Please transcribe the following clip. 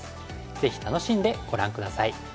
ぜひ楽しんでご覧下さい。